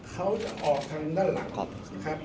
เขาจะออกทางด้านหลังครับ